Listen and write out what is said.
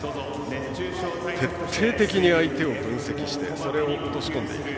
徹底的に相手を分析してそれを落とし込んでいく。